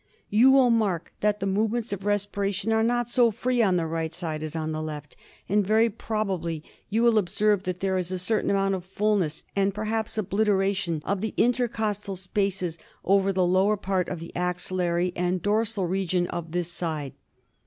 You will mark that the movements of respiration are not so free on the right side as on the left, and very probably you observe that there is a certain amount of fulness and perhaps obliteration of the intercostal spaces over the lower part of the axillary and dorsal region of this side.